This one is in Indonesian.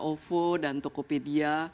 ovo dan tokopedia